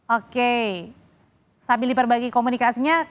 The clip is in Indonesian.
oke sambil diperbagi komunikasinya